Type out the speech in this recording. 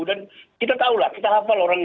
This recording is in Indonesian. dan kita tahulah kita hafal orangnya